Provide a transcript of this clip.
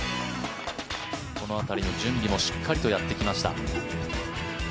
この辺りの準備もしっかりとやってきました。